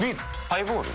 ハイボール？